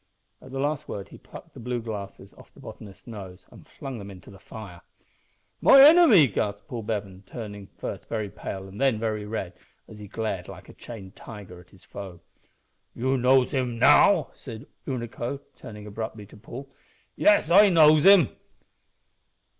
At the last word he plucked the blue glasses off the botanist's nose and flung them into the fire. "My enemy!" gasped Paul Bevan, turning first very pale and then very red, as he glared like a chained tiger at his foe. "You knows him now?" said Unaco, turning abruptly to Paul. "Yes; I knows him!"